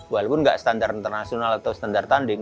walaupun tidak standar internasional atau standar tanding